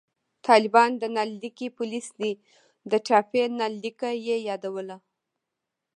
طالبان د نل لیکي پولیس دي، د ټاپي نل لیکه یې یادوله